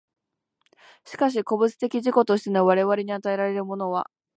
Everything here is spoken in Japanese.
しかし個物的自己としての我々に与えられるものは、